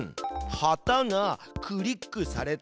「旗がクリックされたとき」